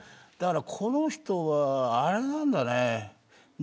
だから、この人はあれなんだね